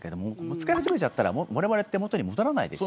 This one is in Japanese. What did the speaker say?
使い始めちゃったらわれわれって元に戻らないです。